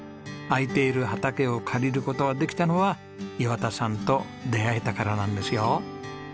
空いている畑を借りる事ができたのは岩田さんと出会えたからなんですよ。